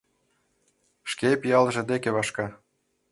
Шке пиалже деке вашка.